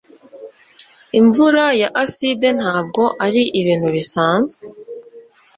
Imvura ya aside ntabwo ari ibintu bisanzwe.